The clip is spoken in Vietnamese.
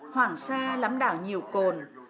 hoàng sa lắm đảo nhiều cồn